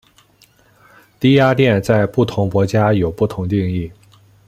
低压电在不同国家有不同定义。